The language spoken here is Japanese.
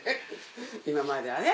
今まではね。